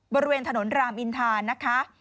บริเวณถนนรามอินทานนะคะ